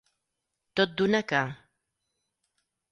Tot d'una que.